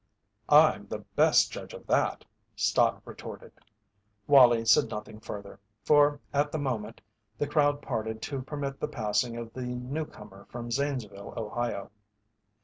"I'm the best judge of that," Stott retorted. Wallie said nothing further, for at the moment the crowd parted to permit the passing of the newcomer from Zanesville, Ohio.